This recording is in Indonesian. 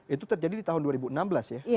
itu terjadi di tahun dua ribu enam belas ya